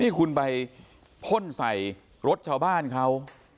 ที่คุณไปพ่นใส่รถชาวบ้านเขา